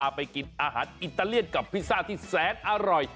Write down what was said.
ไปกินอาหารอิตาเลียนกับพิซซ่าที่แสนอร่อย